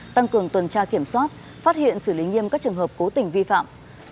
tăng cường tuần tra kiểm soát phát hiện xử lý nghiêm các trường hợp cố tình vi phạm